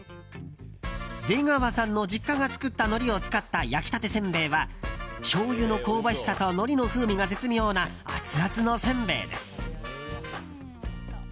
出川さんの実家が作ったのりを使った焼きたてせんべいはしょうゆの香ばしさとのりの風味が絶妙なアツアツのせんべいです。